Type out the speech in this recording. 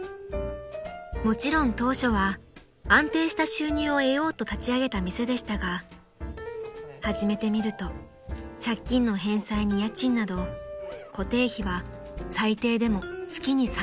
［もちろん当初は安定した収入を得ようと立ち上げた店でしたが始めてみると借金の返済に家賃など固定費は最低でも月に３０万円］